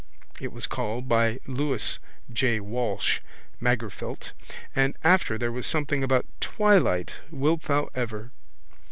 _ it was called by Louis J Walsh, Magherafelt, and after there was something about _twilight, wilt thou ever?